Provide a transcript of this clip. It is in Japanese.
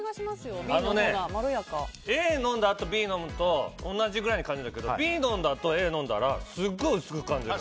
Ａ飲んだあとＢ飲むと同じような感じだけどＢ飲んだあと、Ａ飲んだらすごい薄く感じる。